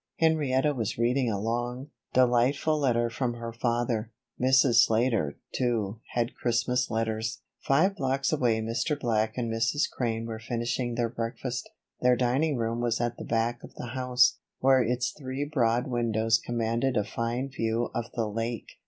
Henrietta was reading a long, delightful letter from her father. Mrs. Slater, too, had Christmas letters. Five blocks away Mr. Black and Mrs. Crane were finishing their breakfast. Their dining room was at the back of the house, where its three broad windows commanded a fine view of the lake.